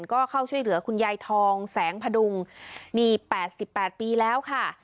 ก็เข้าช่วยเหลือคุณยายทองแสงพดุงนี่๘๘ปีแล้วค่ะ